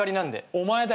お前だよ。